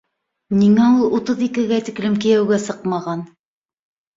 Ниңә ул утыҙ икегә тиклем кейәүгә сыҡмаған?